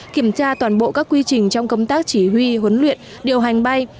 kiểm tra toàn bộ các quy trình trong công tác chỉ huy huấn luyện điều hành bay